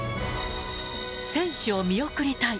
選手を見送りたい。